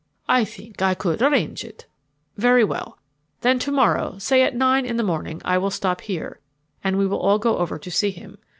"I think I could arrange it." "Very well. Then to morrow, say at nine in the morning, I will stop here, and we will all go over to see him.